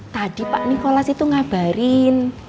tadi pak nikolas itu ngabarin